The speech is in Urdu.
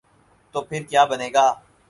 تو پھر کیابنے گا؟